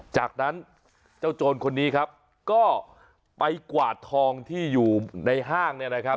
จากนั้นเจ้าโจรคนนี้ครับก็ไปกวาดทองที่อยู่ในห้างเนี่ยนะครับ